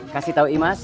kasih tau imas